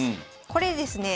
これですね